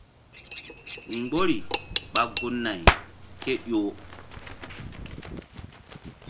Mgbori ɓa gun- nay kéƴo.